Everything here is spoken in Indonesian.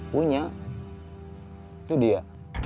punya itu dia